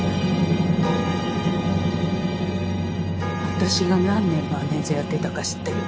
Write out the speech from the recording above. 私が何年マネジャーやってたか知ってる？